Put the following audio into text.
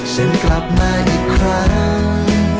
ซึ่งกลับมาอีกครั้ง